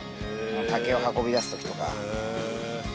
竹を運び出す時とか。